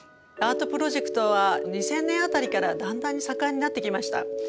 アートプロジェクトは２０００年辺りからだんだんに盛んになってきました。